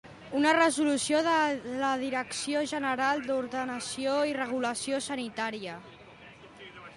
Una resolució de la Direcció General d'Ordenació i Regulació Sanitària.